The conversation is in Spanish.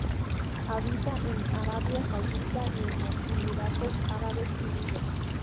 Habita en Arabia Saudita y en los Emiratos Árabes Unidos.